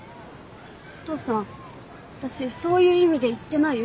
お父さん私そういう意味で言ってないよ。